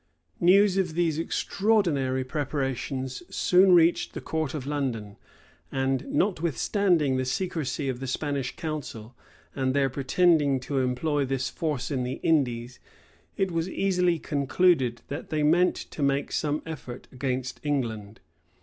News of these extraordinary preparations soon reached the court of London; and notwithstanding the secrecy of the Spanish council, and their pretending to employ this force in the Indies, it was easily concluded that they meant to make some effort against England.